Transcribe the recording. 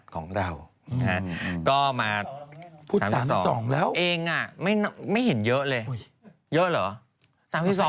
ของเราก็มาพูด๓๒แล้วเองไม่เห็นเยอะเลยเยอะเหรอ